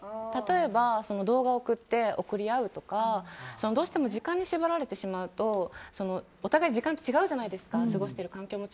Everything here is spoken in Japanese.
例えば、動画を送り合うとかどうしても時間に縛られてしまうとお互い時間って違うじゃないですか。